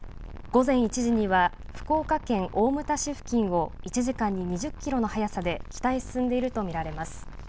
午前１時には福岡県大牟田市付近を１時間に２０キロの速さで北へ進んでいると見られます。